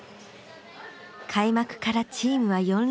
開幕からチームは４連勝。